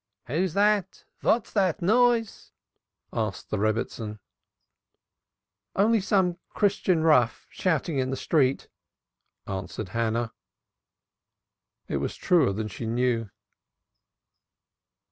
"Who's that? What's that noise?" asked the Rebbitzin. "Only some Christian rough shouting in the street," answered Hannah. It was truer than she knew.